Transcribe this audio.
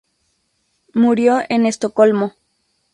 Murió en Estocolmo.